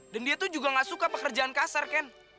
dan dia tuh juga gak suka pekerjaan kasar ken